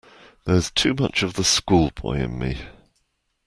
There's too much of the schoolboy in me.